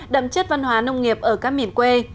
đậm chất văn hóa nông nghiệp ở các miền quê